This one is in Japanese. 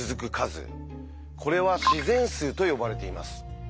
これは「自然数」と呼ばれています。